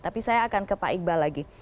tapi saya akan ke pak iqbal lagi